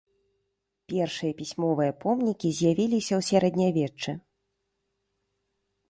Першыя пісьмовыя помнікі з'явіліся ў сярэднявеччы.